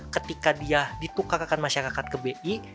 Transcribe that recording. ketika dia ditukarkan masyarakat ke bi